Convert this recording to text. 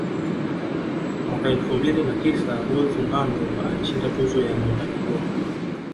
Mwaka elfu mbili na tisa Rose Muhando alishinda Tuzo ya Mwimbaji bora